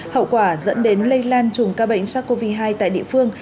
hậu quả dẫn đến lây lan chùm ca bệnh sars cov hai tại địa phương